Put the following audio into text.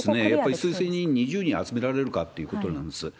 推薦人２０人集められるかということなんです。